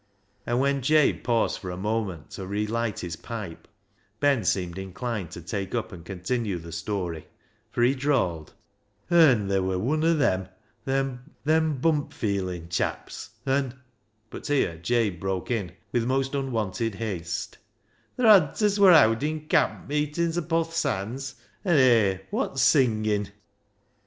And when Jabe paused for a moment to relight his pipe, Ben seemed inclined to take up and continue the story, for he drawled — "An' ther' wur wun o' them — them bump feelin' chaps — an' "— But here Jabe broke in with most unwonted haste —" Th' Ranters wur howdin' camp meetin's upo' th' sonds ; an' hay, wot singin' !